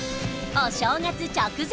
お正月直前！